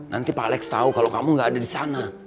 nanti pak alex tahu kalau kamu nggak ada di sana